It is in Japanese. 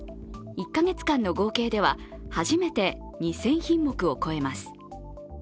１カ月間の合計では初めて２０００品目を超えます。